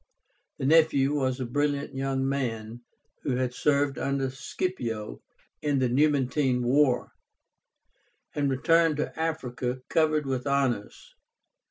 The nephew was a brilliant young man, who had served under Scipio in the Numantine war, and returned to Africa covered with honors.